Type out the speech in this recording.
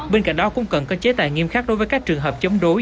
bên cạnh đó cũng cần có chế tài nghiêm khắc đối với các trường hợp chống đối